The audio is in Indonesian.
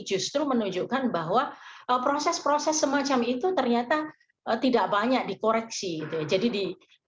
justru menunjukkan bahwa proses proses semacam itu ternyata tidak banyak dikoreksi